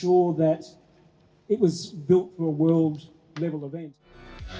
untuk menciptakan event yang berbeda di dunia